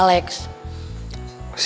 dikontrakan bokapnya alex